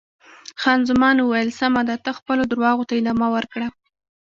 خان زمان وویل: سمه ده، ته خپلو درواغو ته ادامه ورکړه.